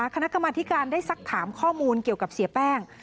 คณะกรรมธิการได้สักถามข้อมูลเกี่ยวกับเสียแป้ง